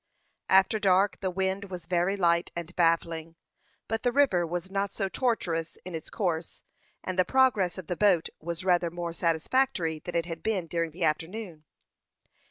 After dark, the wind was very light and baffling, but the river was not so tortuous in its course, and the progress of the boat was rather more satisfactory than it had been during the afternoon.